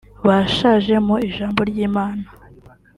bashaje mu ijambo ry’Imana